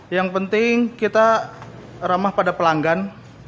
yang penting kita ramah pada pelanggan